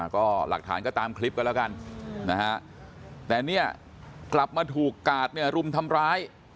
ก็หลักฐานก็ตามคลิปกันแล้วกันนะฮะแต่เนี่ยกลับมาถูกกาดเนี่ยรุมทำร้าย